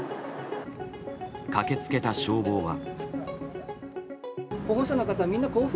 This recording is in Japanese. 駆け付けた消防は。